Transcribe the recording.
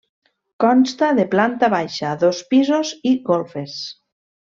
Consta de planta baixa, dos pisos i golfes.